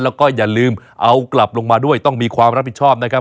แล้วก็อย่าลืมเอากลับลงมาด้วยต้องมีความรับผิดชอบนะครับ